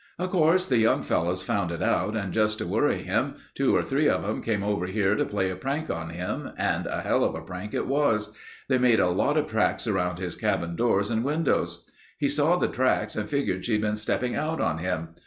"Of course the young fellows found it out and just to worry him, two or three of 'em came over here to play a prank on him and a hell of a prank it was. They made a lot of tracks around his cabin doors and windows. He saw the tracks and figured she'd been stepping out on him.